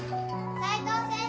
斉藤先生